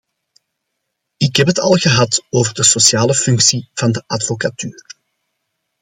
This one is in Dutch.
Ik heb het al gehad over de sociale functie van de advocatuur.